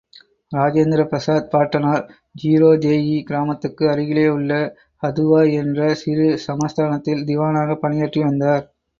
இராஜேந்திர பிரசாத் பாட்டனார், ஜீராதேயீ கிராமத்துக்கு அருகிலே உள்ள ஹதுவா என்ற சிறு சமஸ்தானத்தில், திவானாகப் பணியாற்றி வந்தார்.